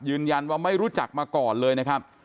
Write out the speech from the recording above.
ยืนยันว่าไม่รู้จักมาก่อนเลยนะครับ